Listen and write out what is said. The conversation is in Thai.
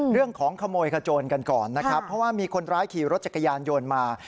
เรื่องของขโมยขโจรกันก่อนนะครับเพราะว่ามีคนร้ายขี่รถจักรยานยนต์มา